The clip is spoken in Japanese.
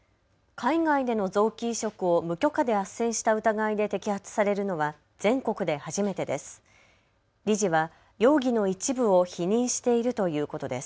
海外での臓器移植を無許可であっせんした疑いで摘発されるのは全国で初めてです。